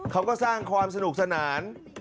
เขาก็สร้างความสนุกสนาน